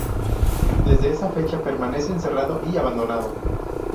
Desde esa fecha permanece cerrado y abandonado.